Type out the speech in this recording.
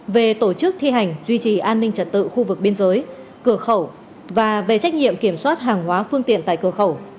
về tổ chức thi hành duy trì an ninh trật tự khu vực biên giới cửa khẩu và về trách nhiệm kiểm soát hàng hóa phương tiện tại cửa khẩu